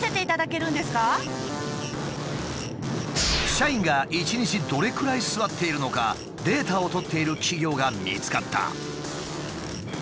社員が１日どれくらい座っているのかデータを取っている企業が見つかった。